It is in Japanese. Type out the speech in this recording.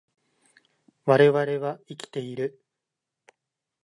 我々は生きている